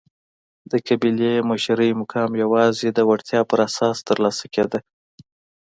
د قبیلې مشرۍ مقام یوازې د وړتیا پر اساس ترلاسه کېده.